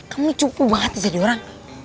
kamu cukup banget jadi orang